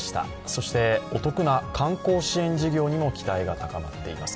そして、お得な観光支援事業にも期待が高まっています。